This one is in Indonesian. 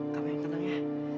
kamu yang tenang ya